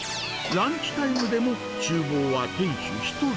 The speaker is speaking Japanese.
ランチタイムでもちゅう房は店主１人。